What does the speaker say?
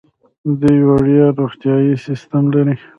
دوی وړیا روغتیايي سیستم لري.